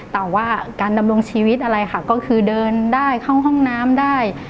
แต่ว่าการดำรงชีวิตอะไรค่ะก็คือเดินได้เข้าห้องน้ำได้